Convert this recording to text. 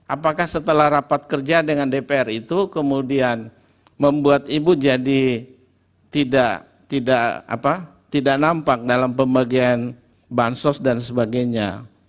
apakah setelah rapat kerja dengan dpr itu kemudian membuat ibu jadi tidak nampak dalam pembagian bansos dan sebagainya